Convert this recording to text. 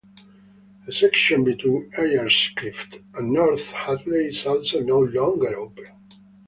A section between Ayer's Cliff and North Hatley is also no longer open.